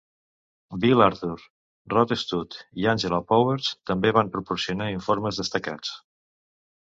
Bill Arthur, Rod Studd i Angela Powers també van proporcionar informes destacats..